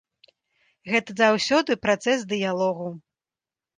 Гэта заўсёды працэс дыялогу.